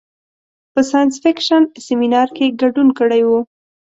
په ساینس فکشن سیمنار کې ګډون کړی و.